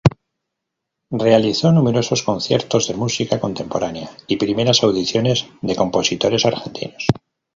Realizó numerosos conciertos de música contemporánea y primeras audiciones de compositores argentinos.